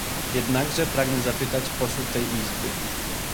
Jednakże pragnę zapytać posłów tej Izby